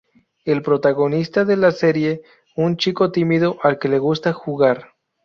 El protagonista de la serie, un chico tímido al que le gusta jugar.